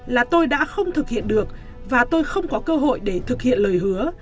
là tôi đã không thực hiện được và tôi không có cơ hội để thực hiện lời hứa